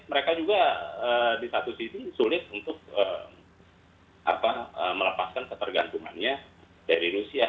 mereka juga di satu sisi sulit untuk melepaskan ketergantungannya dari rusia